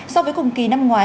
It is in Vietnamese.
so với cùng kỳ năm ngoái